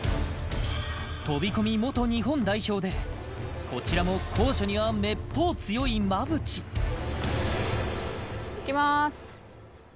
飛込元日本代表でこちらも高所にはめっぽう強い馬淵いきます